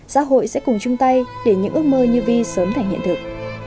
xã hội sẽ cùng chung tay để những ước mơ như vi sớm thành hiện thực